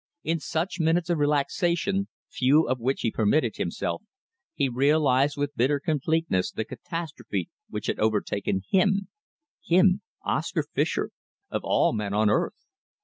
In such minutes of relaxation, few of which he permitted himself, he realised with bitter completeness the catastrophe which had overtaken him him, Oscar Fischer, of all men on earth.